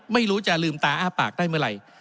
ไม่รู้จะลืมตาอ้าปากได้เมื่อไหร่